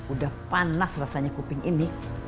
udah panas rasanya kuping ini